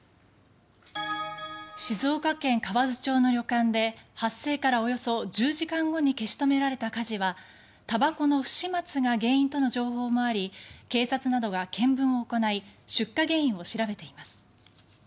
静岡県河津町の旅館で発生からおよそ１０時間後に消し止められた火事はたばこの不始末が原因との情報もあり警察などが見分を行い出火原因を調べています。